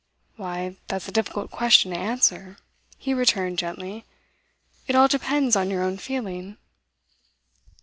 'Why, that's a difficult question to answer,' he returned gently. 'It all depends on your own feeling.